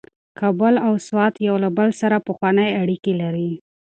کابل او سوات یو له بل سره پخوانۍ اړیکې لري.